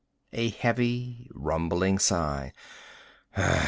A heavy rumbling sigh.